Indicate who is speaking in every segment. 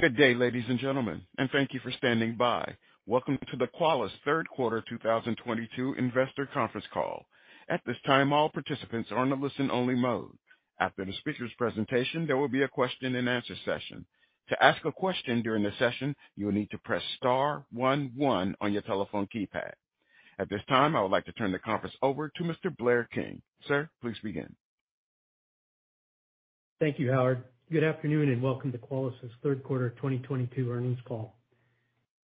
Speaker 1: Good day, ladies and gentlemen, and thank you for standing by. Welcome to the Qualys third quarter 2022 investor conference call. At this time, all participants are in a listen-only mode. After the speaker's presentation, there will be a question and answer session. To ask a question during the session, you will need to press star one one on your telephone keypad. At this time, I would like to turn the conference over to Mr. Blair King. Sir, please begin.
Speaker 2: Thank you, Howard. Good afternoon, and welcome to Qualys' third quarter 2022 earnings call.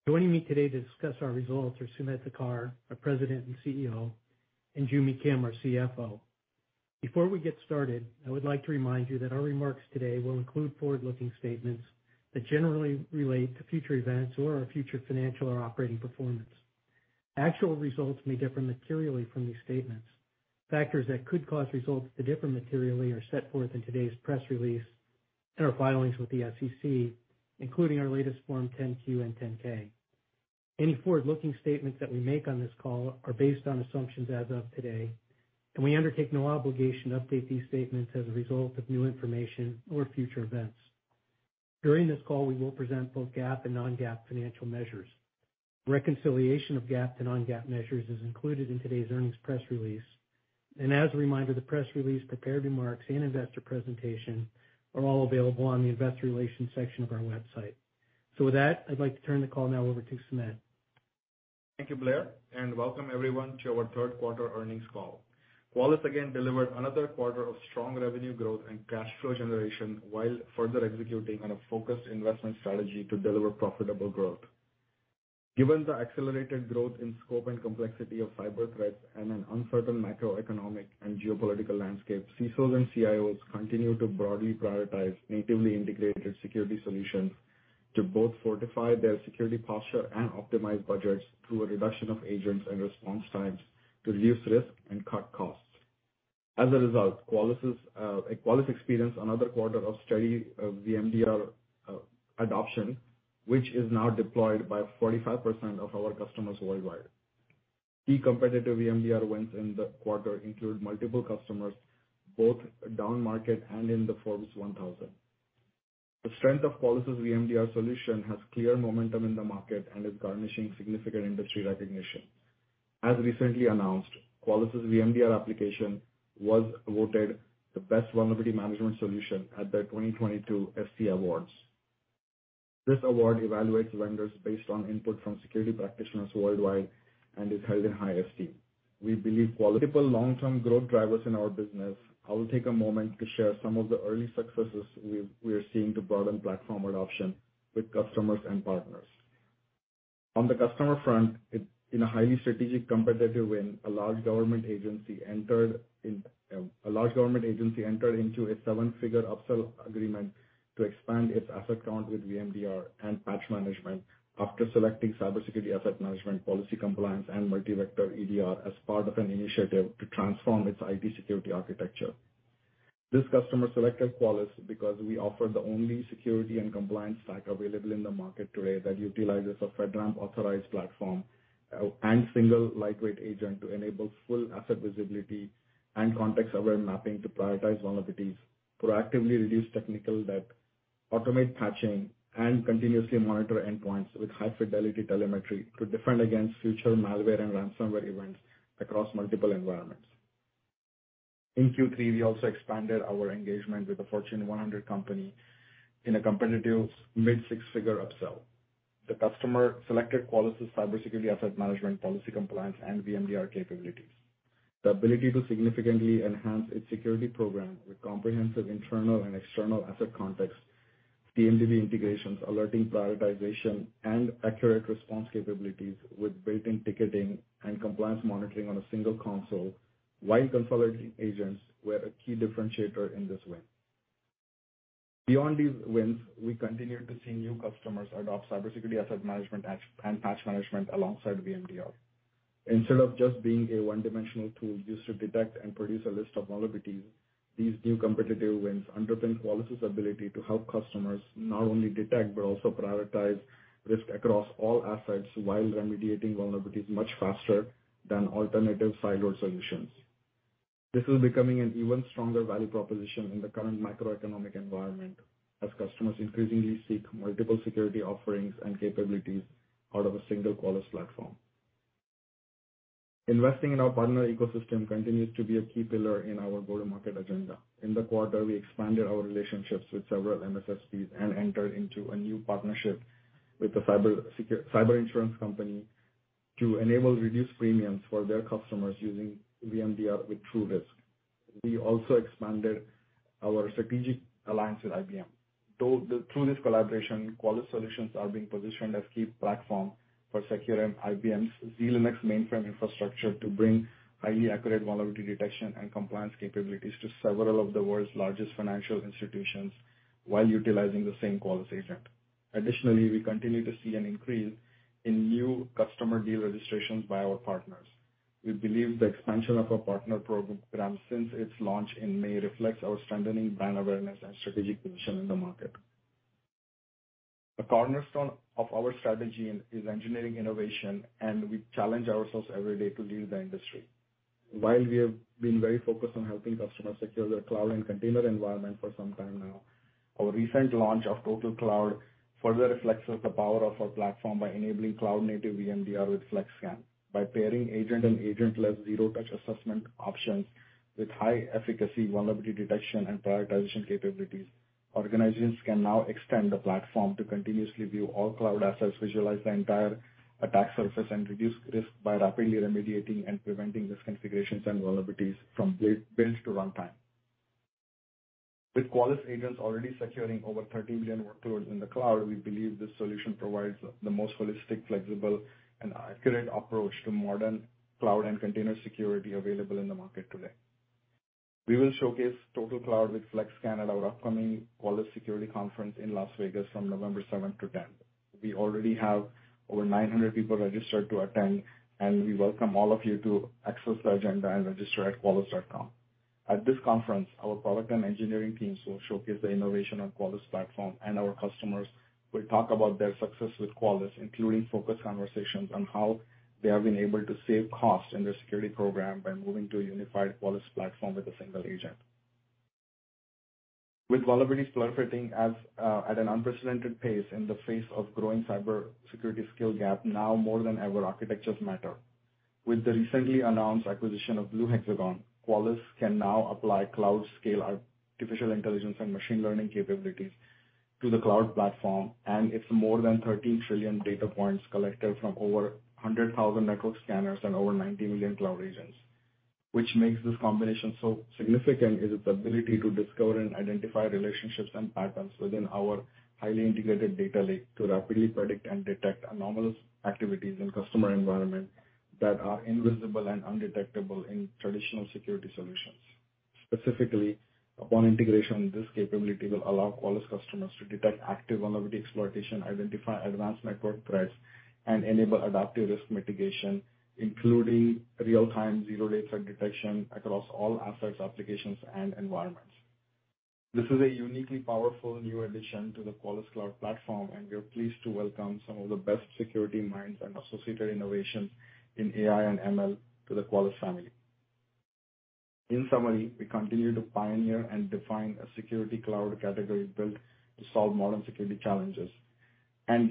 Speaker 2: Joining me today to discuss our results are Sumedh Thakar, our President and CEO, and Joo Mi Kim, our CFO. Before we get started, I would like to remind you that our remarks today will include forward-looking statements that generally relate to future events or our future financial or operating performance. Actual results may differ materially from these statements. Factors that could cause results to differ materially are set forth in today's press release and our filings with the SEC, including our latest Form 10-Q and 10-K. Any forward-looking statements that we make on this call are based on assumptions as of today, and we undertake no obligation to update these statements as a result of new information or future events. During this call, we will present both GAAP and non-GAAP financial measures. Reconciliation of GAAP to non-GAAP measures is included in today's earnings press release. As a reminder, the press release, prepared remarks, and investor presentation are all available on the investor relations section of our website. With that, I'd like to turn the call now over to Sumedh.
Speaker 3: Thank you, Blair, and welcome everyone to our third quarter earnings call. Qualys again delivered another quarter of strong revenue growth and cash flow generation while further executing on a focused investment strategy to deliver profitable growth. Given the accelerated growth in scope and complexity of cyber threats and an uncertain macroeconomic and geopolitical landscape, CISOs and CIOs continue to broadly prioritize natively integrated security solutions to both fortify their security posture and optimize budgets through a reduction of agents and response times to reduce risk and cut costs. As a result, Qualys experienced another quarter of steady VMDR adoption, which is now deployed by 45% of our customers worldwide. Key competitive VMDR wins in the quarter include multiple customers, both downmarket and in the Forbes 1,000. The strength of Qualys' VMDR solution has clear momentum in the market and is garnering significant industry recognition. As recently announced, Qualys' VMDR application was voted the best vulnerability management solution at the 2022 SC Awards. This award evaluates vendors based on input from security practitioners worldwide and is held in high esteem. We believe multiple long-term growth drivers in our business. I will take a moment to share some of the early successes we are seeing to broaden platform adoption with customers and partners. On the customer front, in a highly strategic competitive win, a large government agency entered into a seven-figure upsell agreement to expand its asset count with VMDR and Patch Management after selecting Cybersecurity Asset Management, Policy Compliance and Multi-Vector EDR as part of an initiative to transform its IT security architecture. This customer selected Qualys because we offer the only security and compliance stack available in the market today that utilizes a FedRAMP authorized platform, and single lightweight agent to enable full asset visibility and context-aware mapping to prioritize vulnerabilities, proactively reduce technical debt, automate patching, and continuously monitor endpoints with high-fidelity telemetry to defend against future malware and ransomware events across multiple environments. In Q3, we also expanded our engagement with a Fortune 100 company in a competitive mid six-figure upsell. The customer selected Qualys' Cybersecurity Asset Management, Policy Compliance, and VMDR capabilities. The ability to significantly enhance its security program with comprehensive internal and external asset context, CMDB integrations, alerting prioritization, and accurate response capabilities with built-in ticketing and compliance monitoring on a single console while consolidating agents were a key differentiator in this win. Beyond these wins, we continue to see new customers adopt Cybersecurity Asset Management, Patch, and Patch Management alongside VMDR. Instead of just being a one-dimensional tool used to detect and produce a list of vulnerabilities, these new competitive wins underpin Qualys' ability to help customers not only detect but also prioritize risk across all assets while remediating vulnerabilities much faster than alternative siloed solutions. This is becoming an even stronger value proposition in the current macroeconomic environment as customers increasingly seek multiple security offerings and capabilities out of a single Qualys platform. Investing in our partner ecosystem continues to be a key pillar in our go-to-market agenda. In the quarter, we expanded our relationships with several MSSPs and entered into a new partnership with a cyber insurance company to enable reduced premiums for their customers using VMDR with TruRisk. We also expanded our strategic alliance with IBM. Through this collaboration, Qualys solutions are being positioned as key platform for secure IBM's zLinux mainframe infrastructure to bring highly accurate vulnerability detection and compliance capabilities to several of the world's largest financial institutions while utilizing the same Qualys agent. Additionally, we continue to see an increase in new customer deal registrations by our partners. We believe the expansion of our partner program since its launch in May reflects our strengthening brand awareness and strategic position in the market. The cornerstone of our strategy is engineering innovation, and we challenge ourselves every day to lead the industry. While we have been very focused on helping customers secure their cloud and container environment for some time now, our recent launch of TotalCloud further reflects the power of our platform by enabling cloud-native VMDR with FlexScan. By pairing agent and agent-less zero-touch assessment options with high efficacy, vulnerability detection, and prioritization capabilities, organizations can now extend the platform to continuously view all cloud assets, visualize the entire attack surface, and reduce risk by rapidly remediating and preventing misconfigurations and vulnerabilities from builds to runtime. With Qualys agents already securing over 30 million workloads in the cloud, we believe this solution provides the most holistic, flexible, and accurate approach to modern cloud and container security available in the market today. We will showcase TotalCloud with FlexScan at our upcoming Qualys Security Conference in Las Vegas from November 7th to 10th. We already have over 900 people registered to attend, and we welcome all of you to access the agenda and register at qualys.com. At this conference, our product and engineering teams will showcase the innovation of Qualys platform, and our customers will talk about their success with Qualys, including focused conversations on how they have been able to save costs in their security program by moving to a unified Qualys platform with a single agent. With vulnerabilities proliferating as at an unprecedented pace in the face of growing cybersecurity skill gap, now more than ever, architectures matter. With the recently announced acquisition of Blue Hexagon, Qualys can now apply cloud-scale artificial intelligence and machine learning capabilities to the cloud platform, and its more than 13 trillion data points collected from over 100,000 network scanners and over 90 million cloud regions. Which makes this combination so significant is its ability to discover and identify relationships and patterns within our highly integrated data lake to rapidly predict and detect anomalous activities in customer environment that are invisible and undetectable in traditional security solutions. Specifically, upon integration, this capability will allow Qualys customers to detect active vulnerability exploitation, identify advanced network threats, and enable adaptive risk mitigation, including real-time zero day threat detection across all assets, applications, and environments. This is a uniquely powerful new addition to the Qualys cloud platform, and we are pleased to welcome some of the best security minds and associated innovations in AI and ML to the Qualys family. In summary, we continue to pioneer and define a security cloud category built to solve modern security challenges.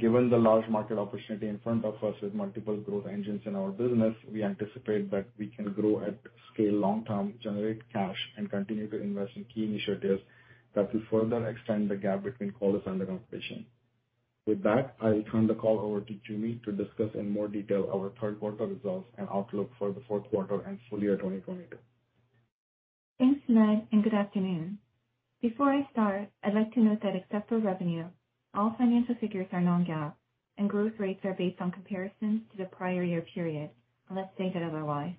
Speaker 3: Given the large market opportunity in front of us with multiple growth engines in our business, we anticipate that we can grow at scale long term, generate cash, and continue to invest in key initiatives that will further extend the gap between Qualys and the competition. With that, I'll turn the call over to Joo Mi to discuss in more detail our third quarter results and outlook for the fourth quarter and full year 2022.
Speaker 4: Thanks, Sumedh, and good afternoon. Before I start, I'd like to note that except for revenue, all financial figures are non-GAAP, and growth rates are based on comparisons to the prior year period, unless stated otherwise.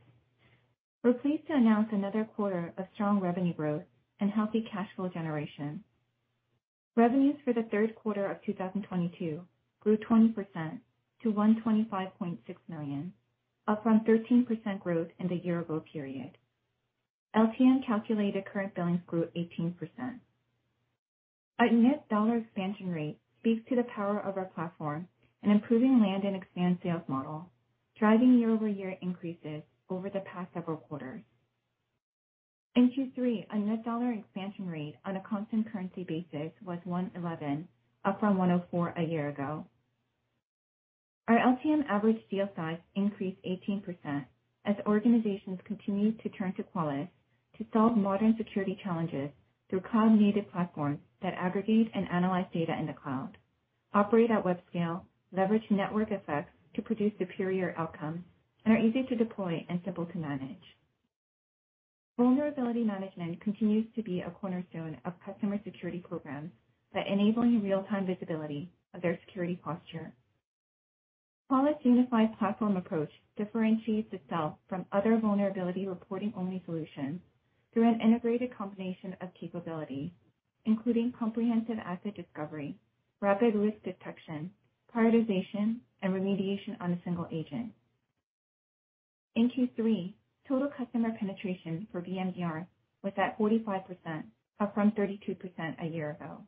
Speaker 4: We're pleased to announce another quarter of strong revenue growth and healthy cash flow generation. Revenues for the third quarter of 2022 grew 20% to $125.6 million, up from 13% growth in the year ago period. LTM calculated current billings grew 18%. Our net dollar expansion rate speaks to the power of our platform in improving land and expand sales model, driving year-over-year increases over the past several quarters. In Q3, our net dollar expansion rate on a constant currency basis was 111, up from 104 a year ago. Our LTM average deal size increased 18% as organizations continued to turn to Qualys to solve modern security challenges through cloud-native platforms that aggregate and analyze data in the cloud, operate at web scale, leverage network effects to produce superior outcomes, and are easy to deploy and simple to manage. Vulnerability management continues to be a cornerstone of customer security programs by enabling real-time visibility of their security posture. Qualys' unified platform approach differentiates itself from other vulnerability reporting-only solutions through an integrated combination of capabilities, including comprehensive asset discovery, rapid risk detection, prioritization, and remediation on a single agent. In Q3, total customer penetration for VMDR was at 45%, up from 32% a year ago.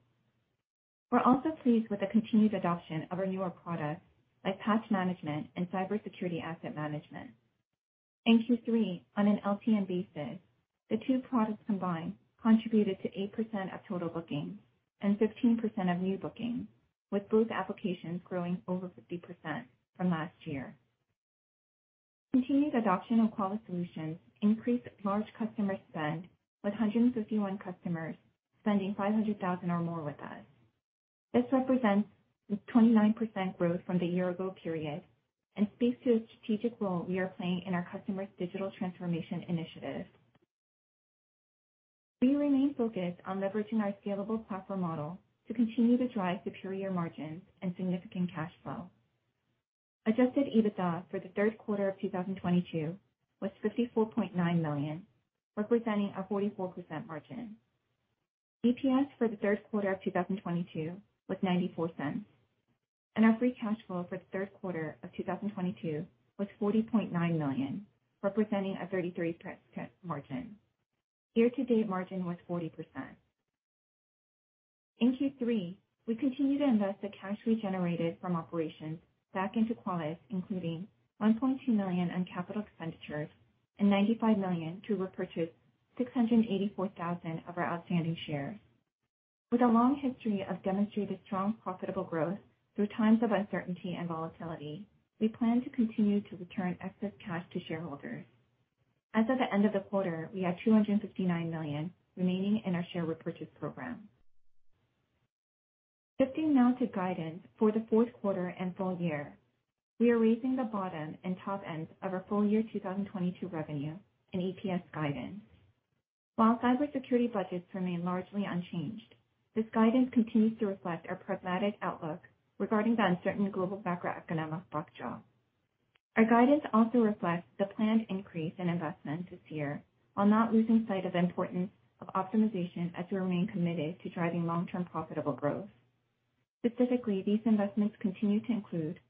Speaker 4: We're also pleased with the continued adoption of our newer products like Patch Management and Cybersecurity Asset Management. In Q3, on an LTM basis, the two products combined contributed to 8% of total bookings and 15% of new bookings, with both applications growing over 50% from last year. Continued adoption of Qualys solutions increased large customer spend, with 151 customers spending $500,000 or more with us. This represents a 29% growth from the year ago period and speaks to the strategic role we are playing in our customers' digital transformation initiatives. We remain focused on leveraging our scalable platform model to continue to drive superior margins and significant cash flow. Adjusted EBITDA for the third quarter of 2022 was $54.9 million, representing a 44% margin. EPS for the third quarter of 2022 was $0.94, and our free cash flow for the third quarter of 2022 was $40.9 million, representing a 33% margin. Year-to-date margin was 40%. In Q3, we continued to invest the cash we generated from operations back into Qualys, including $1.2 million in capital expenditures and $95 million to repurchase 684,000 of our outstanding shares. With a long history of demonstrated strong profitable growth through times of uncertainty and volatility, we plan to continue to return excess cash to shareholders. As of the end of the quarter, we had $259 million remaining in our share repurchase program. Shifting now to guidance for the fourth quarter and full year. We are raising the bottom and top end of our full year 2022 revenue and EPS guidance. While cybersecurity budgets remain largely unchanged, this guidance continues to reflect our pragmatic outlook regarding the uncertain global macroeconomic backdrop. Our guidance also reflects the planned increase in investment this year, while not losing sight of importance of optimization as we remain committed to driving long-term profitable growth. Specifically, these investments continue to include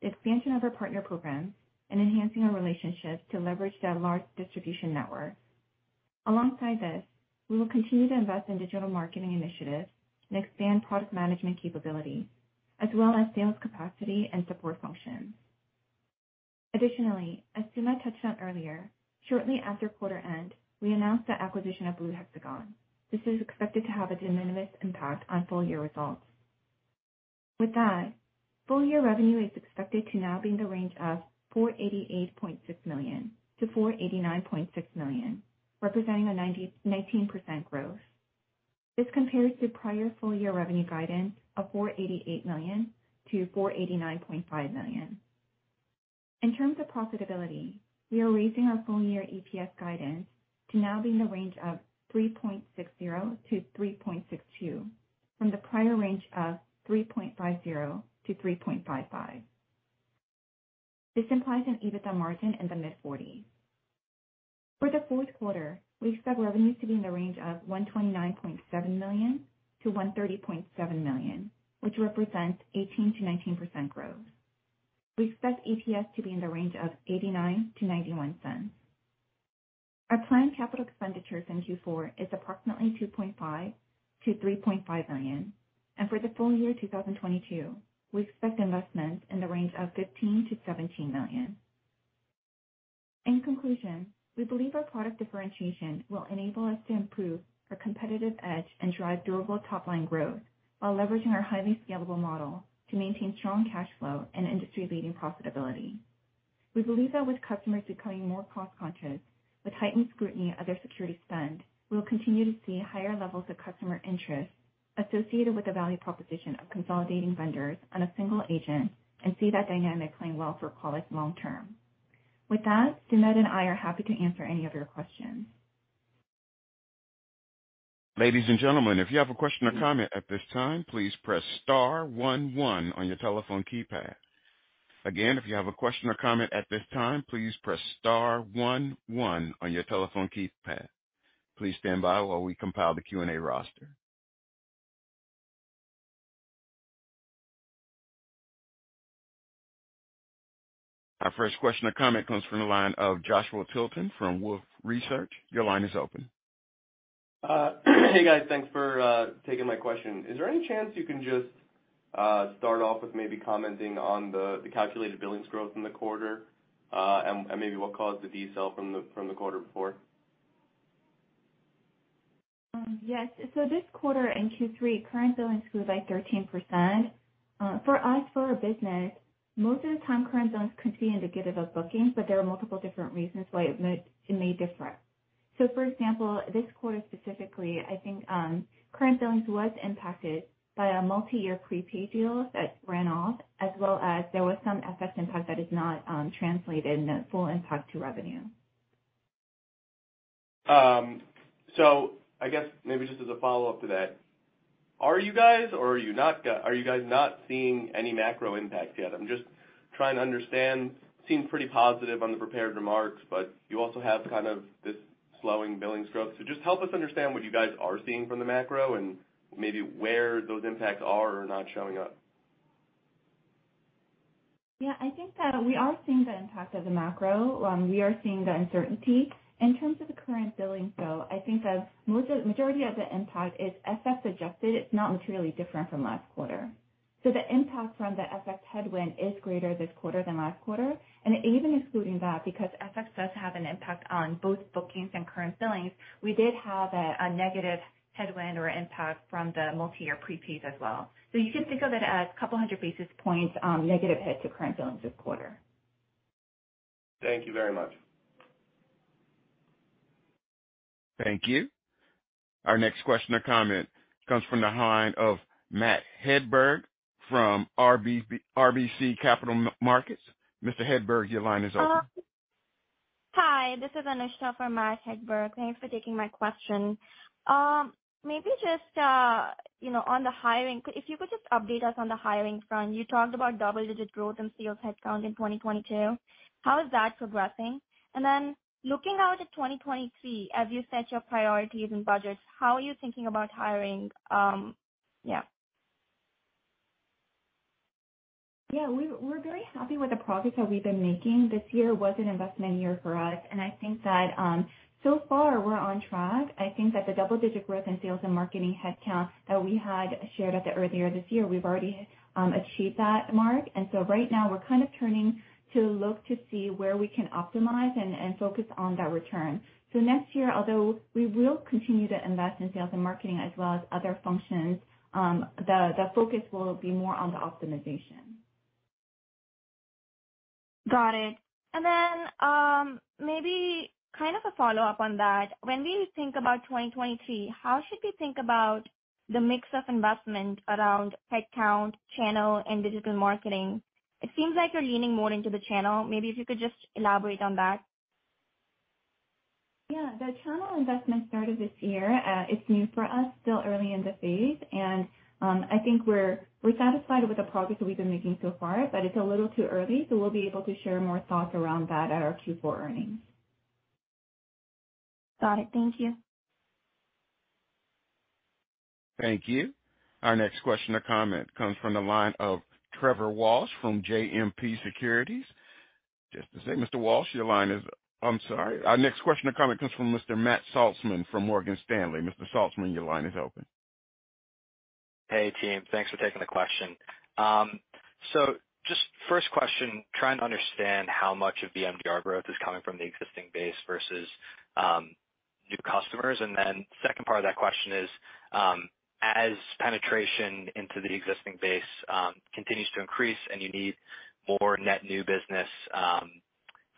Speaker 4: the expansion of our partner programs and enhancing our relationships to leverage their large distribution network. Alongside this, we will continue to invest in digital marketing initiatives and expand product management capability, as well as sales capacity and support functions. Additionally, as Sumedh touched on earlier, shortly after quarter end, we announced the acquisition of Blue Hexagon. This is expected to have a de minimis impact on full year results. With that, full-year revenue is expected to now be in the range of $488.6 million-$489.6 million, representing 19% growth. This compares to prior full-year revenue guidance of $488 million-$489.5 million. In terms of profitability, we are raising our full-year EPS guidance to now be in the range of $3.60-$3.62 from the prior range of $3.50-$3.55. This implies an EBITDA margin in the mid-40%s. For the fourth quarter, we expect revenue to be in the range of $129.7 million-$130.7 million, which represents 18%-19% growth. We expect EPS to be in the range of $0.89-$0.91. Our planned capital expenditures in Q4 is approximately $2.5 million-$3.5 million, and for the full year 2022, we expect investments in the range of $15 million-$17 million. In conclusion, we believe our product differentiation will enable us to improve our competitive edge and drive durable top line growth while leveraging our highly scalable model to maintain strong cash flow and industry-leading profitability. We believe that with customers becoming more cost-conscious, with heightened scrutiny of their security spend, we will continue to see higher levels of customer interest associated with the value proposition of consolidating vendors on a single agent and see that dynamic playing well for Qualys long term. With that, Sumedh and I are happy to answer any of your questions.
Speaker 1: Ladies and gentlemen, if you have a question or comment at this time, please press star one one on your telephone keypad. Again, if you have a question or comment at this time, please press star one one on your telephone keypad. Please stand by while we compile the Q&A roster. Our first question or comment comes from the line of Joshua Tilton from Wolfe Research. Your line is open.
Speaker 5: Hey, guys. Thanks for taking my question. Is there any chance you can just start off with maybe commenting on the calculated billings growth in the quarter, and maybe what caused the decel from the quarter before?
Speaker 4: Yes. This quarter in Q3, current billings grew by 13%. For us, for our business, most of the time current billings could be indicative of bookings, but there are multiple different reasons why it may differ. For example, this quarter specifically, I think, current billings was impacted by a multiyear prepaid deal that ran off, as well as there was some FX impact that is not translated in the full impact to revenue.
Speaker 5: I guess maybe just as a follow-up to that, are you guys not seeing any macro impact yet? I'm just trying to understand. Seemed pretty positive on the prepared remarks, but you also have kind of this slowing billings growth. Just help us understand what you guys are seeing from the macro and maybe where those impacts are or are not showing up.
Speaker 4: Yeah, I think that we are seeing the impact of the macro. We are seeing the uncertainty. In terms of the current billings, though, I think that majority of the impact is FX adjusted. It's not materially different from last quarter. The impact from the FX headwind is greater this quarter than last quarter. Even excluding that, because FX does have an impact on both bookings and current billings, we did have a negative headwind or impact from the multiyear prepays as well. You can think of it as a couple hundred basis points negative hit to current billings this quarter.
Speaker 5: Thank you very much.
Speaker 1: Thank you. Our next question or comment comes from the line of Matt Hedberg from RBC Capital Markets. Mr. Hedberg, your line is open.
Speaker 6: Hi, this is Anusha for Matt Hedberg. Thanks for taking my question. Maybe just, you know, on the hiring, if you could just update us on the hiring front. You talked about double-digit growth in sales headcount in 2022. How is that progressing? Looking out at 2023, as you set your priorities and budgets, how are you thinking about hiring?
Speaker 4: Yeah, we're very happy with the progress that we've been making. This year was an investment year for us, and I think that so far we're on track. I think that the double-digit growth in sales and marketing headcount that we had shared earlier this year, we've already achieved that mark. Right now we're kind of turning to look to see where we can optimize and focus on that return. Next year, although we will continue to invest in sales and marketing as well as other functions, the focus will be more on the optimization.
Speaker 6: Got it. Maybe kind of a follow-up on that. When we think about 2023, how should we think about the mix of investment around headcount, channel, and digital marketing? It seems like you're leaning more into the channel. Maybe if you could just elaborate on that.
Speaker 4: Yeah. The channel investment started this year. It's new for us, still early in the phase, and I think we're satisfied with the progress that we've been making so far, but it's a little too early, so we'll be able to share more thoughts around that at our Q4 earnings.
Speaker 6: Got it. Thank you.
Speaker 1: Thank you. Our next question or comment comes from the line of Trevor Walsh from JMP Securities. Just a second, Mr. Walsh. I'm sorry. Our next question or comment comes from Mr. Matt Saltzman from Morgan Stanley. Mr. Saltzman, your line is open.
Speaker 7: Hey, team. Thanks for taking the question. So just first question, trying to understand how much of the VMDR growth is coming from the existing base versus new customers. Then second part of that question is, as penetration into the existing base continues to increase and you need more net new business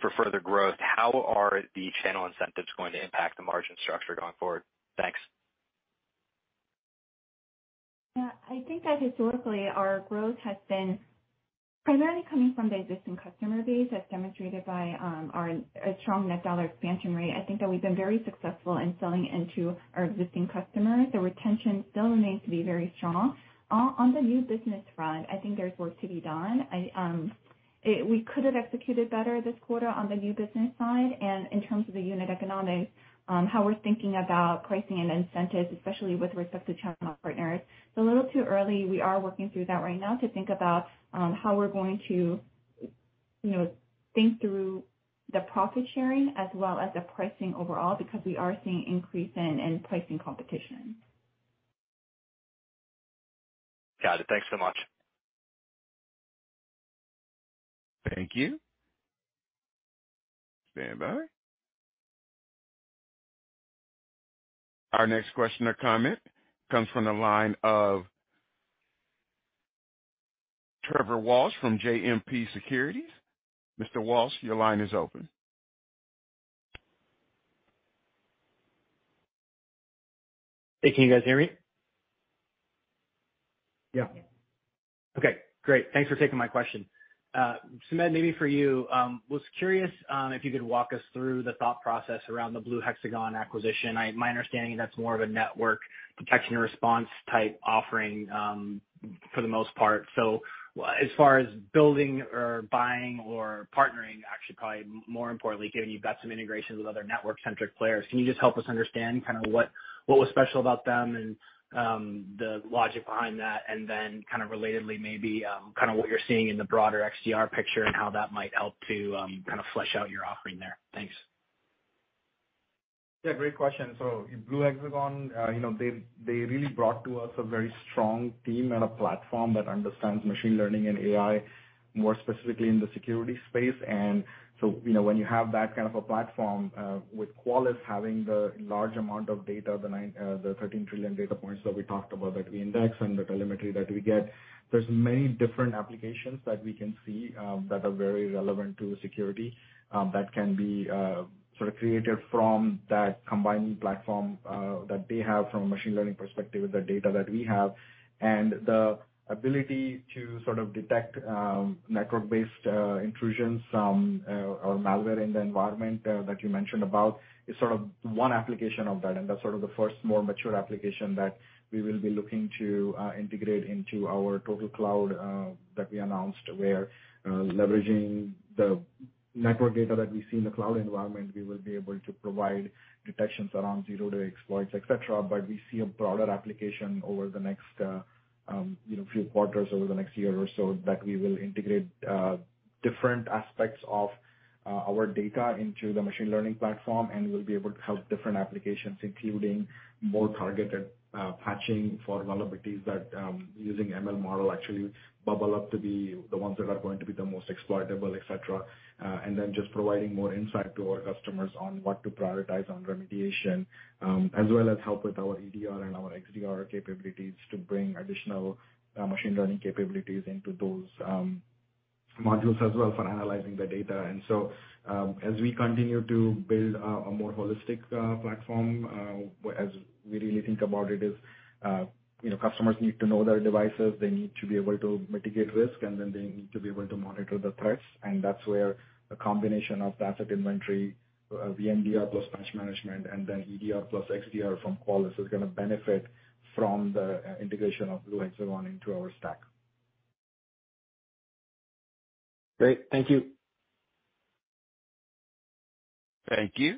Speaker 7: for further growth, how are the channel incentives going to impact the margin structure going forward? Thanks.
Speaker 4: Yeah. I think that historically our growth has been primarily coming from the existing customer base as demonstrated by our strong net dollar expansion rate. I think that we've been very successful in selling into our existing customers. The retention still remains to be very strong. On the new business front, I think there's work to be done. We could have executed better this quarter on the new business side and in terms of the unit economics, how we're thinking about pricing and incentives, especially with respect to channel partners. It's a little too early. We are working through that right now to think about how we're going to, you know, think through the profit sharing as well as the pricing overall, because we are seeing an increase in pricing competition.
Speaker 7: Got it. Thanks so much.
Speaker 1: Thank you. Standby. Our next question or comment comes from the line of Trevor Walsh from JMP Securities. Mr. Walsh, your line is open.
Speaker 8: Hey, can you guys hear me?
Speaker 1: Yeah.
Speaker 8: Okay, great. Thanks for taking my question. Sumedh, maybe for you. Was curious if you could walk us through the thought process around the Blue Hexagon acquisition. My understanding that's more of a network protection response type offering for the most part. So as far as building or buying or partnering, actually probably more importantly, given you've got some integrations with other network-centric players, can you just help us understand kind of what was special about them and the logic behind that and then kind of relatedly maybe kind of what you're seeing in the broader XDR picture and how that might help to kind of flesh out your offering there. Thanks.
Speaker 3: Yeah, great question. Blue Hexagon, you know, they really brought to us a very strong team and a platform that understands machine learning and AI, more specifically in the security space. You know, when you have that kind of a platform, with Qualys having the large amount of data, the 13 trillion data points that we talked about that we index and the telemetry that we get, there's many different applications that we can see that are very relevant to security that can be sort of created from that combining platform that they have from a machine learning perspective with the data that we have. The ability to sort of detect, network-based, intrusions from, or malware in the environment, that you mentioned about is sort of one application of that, and that's sort of the first more mature application that we will be looking to, integrate into our TotalCloud, that we announced. We're leveraging the network data that we see in the cloud environment. We will be able to provide detections around zero-day exploits, et cetera. We see a broader application over the next, you know, few quarters, over the next year or so, that we will integrate, different aspects of, our data into the machine learning platform. We'll be able to have different applications, including more targeted patching for vulnerabilities that using ML model actually bubble up to be the ones that are going to be the most exploitable, et cetera. Just providing more insight to our customers on what to prioritize on remediation, as well as help with our EDR and our XDR capabilities to bring additional machine learning capabilities into those modules as well for analyzing the data. As we continue to build a more holistic platform, as we really think about it is, you know, customers need to know their devices, they need to be able to mitigate risk, and then they need to be able to monitor the threats. That's where a combination of asset inventory, VMDR plus Patch Management, and then EDR plus XDR from Qualys is gonna benefit from the integration of Blue Hexagon into our stack.
Speaker 8: Great. Thank you.
Speaker 1: Thank you.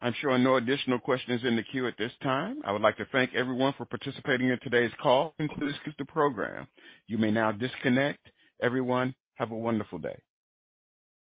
Speaker 1: I'm showing no additional questions in the queue at this time. I would like to thank everyone for participating in today's call. This concludes the program. You may now disconnect. Everyone, have a wonderful day.